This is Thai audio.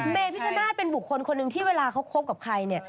เมพิชชนาธิ์เป็นบุคคลคนหนึ่งที่เวลาเขาคบกับใครเนี่ย